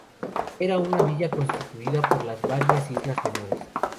Era una villa constituida por la y varias islas menores.